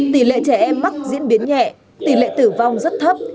tỷ lệ trẻ em mắc diễn biến nhẹ tỷ lệ tử vong rất thấp